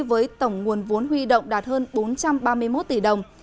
với tổng nguồn vốn huy động đạt hơn bốn trăm ba mươi một tỷ đồng